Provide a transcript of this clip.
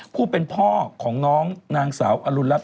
ผู้เป็นพ่อของน้องนางสาวอรุณรัฐ